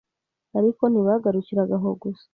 Ariko ntibagarukiraga aho gusa